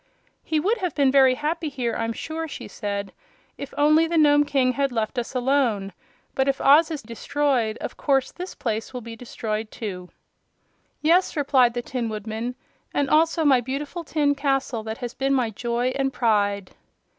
"He would have been very happy here, I'm sure," she said, "if only the Nome King had left us alone. But if Oz is destroyed of course this place will be destroyed too." "Yes," replied the Tin Woodman, "and also my beautiful tin castle, that has been my joy and pride."